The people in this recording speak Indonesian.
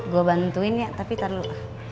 gue bantuin ya tapi tar dulu